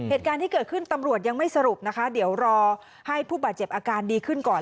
เหตุการณ์ที่เกิดขึ้นตำรวจยังไม่สรุปนะคะเดี๋ยวรอให้ผู้บาดเจ็บอาการดีขึ้นก่อน